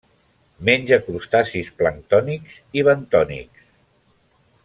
Menja crustacis planctònics i bentònics.